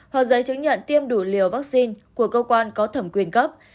hoặc giấy chứng nhận tiêm đủ liều vaccine của cơ quan có thẩm quyền cấp